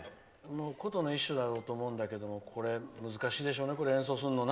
琴の一種だろうと思うんだけど難しいでしょうね、演奏するのは。